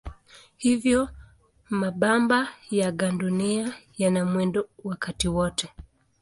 Hivyo mabamba ya gandunia yana mwendo wakati wote.